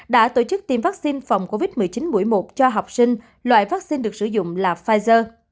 đã tổ chức tiêm vaccine phòng covid một mươi chín mũi một cho học sinh loại vaccine được sử dụng là pfizer